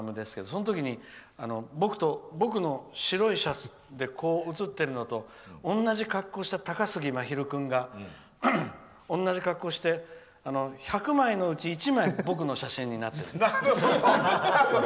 その時に僕の白いシャツで写ってるのと同じ格好をした高杉真宙君が１００枚のうち１枚僕の写真になってるの。